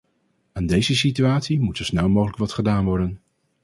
Aan deze situatie moet zo snel mogelijk wat gedaan worden.